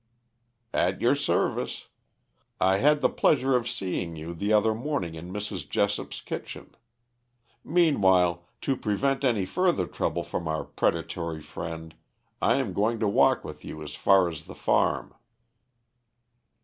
"At your service. I had the pleasure of seeing you the other morning in Mrs. Jessop's kitchen. Meanwhile, to prevent any further trouble from our predatory friend, I am going to walk with you as far as the farm."